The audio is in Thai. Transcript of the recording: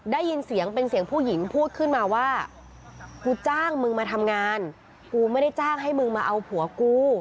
ได้ยินเสียงเป็นเสียงผู้หญิงพูดขึ้นมาว่ากูจ้างมึงมาทำงานกูไม่ได้จ้างให้มึงมาเอาผัวกู